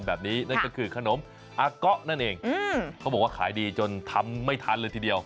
นั่นก็คือขนมอาเกาะนั่นเองเขาบอกว่าขายดีจนทำไม่ทันเลยทีเดียว